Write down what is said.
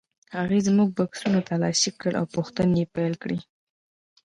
هغې زموږ بکسونه تالاشي کړل او پوښتنې یې پیل کړې.